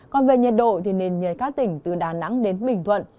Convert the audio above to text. còn về nhiệt độ thì nền nhiệt các tỉnh từ đà nẵng đến bình thuận